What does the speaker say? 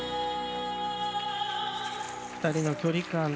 ２人の距離感。